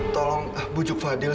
tolong bujuk fadil